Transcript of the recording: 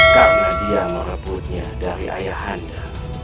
karena dia merebutnya dari ayah anda